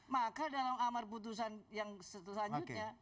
maka dalam amar putusan yang selanjutnya